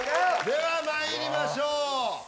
ではまいりましょう。